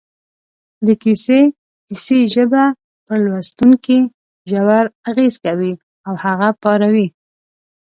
د کیسې حسي ژبه پر لوستونکي ژور اغېز کوي او هغه پاروي